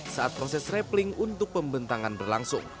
saat proses rappling untuk pembentangan berlangsung